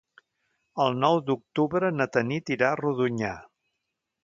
El nou d'octubre na Tanit irà a Rodonyà.